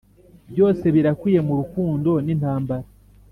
byose birakwiye murukundo nintambara.